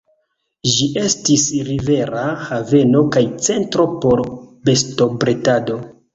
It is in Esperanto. Ĝi estis rivera haveno kaj centro por bestobredado.